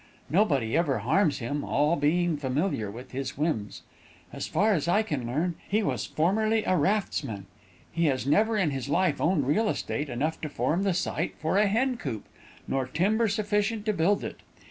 Nobody ever harms him, all being familiar with his whims. As far as I can learn, he was formerly a raftsman. He has never in his life owned real estate enough to form the site for a hen coop, nor timber sufficient to build it.